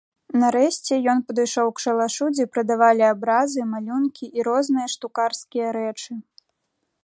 Нарэшце, ён падышоў к шалашу, дзе прадавалі абразы, малюнкі і розныя штукарскія рэчы.